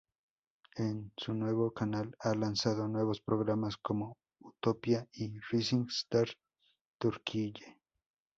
En su nuevo canal, ha lanzado nuevos programas como "Utopía" y "Rising Star Türkiye".